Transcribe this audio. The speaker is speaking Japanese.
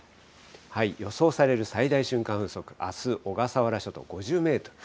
予想される最大瞬間風速、あす、小笠原諸島５０メートル。